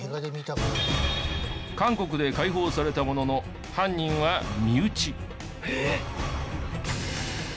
韓国で解放されたものの犯人は身内！